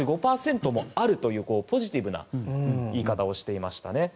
３５％もあるというポジティブな言い方をしていました。